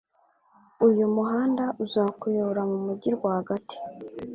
Uyu muhanda uzakuyobora mu mujyi rwagati.